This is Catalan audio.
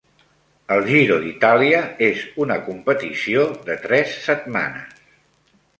El Giro d'Itàlia és una competició de tres setmanes.